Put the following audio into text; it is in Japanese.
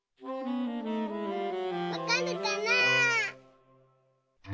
わかるかな？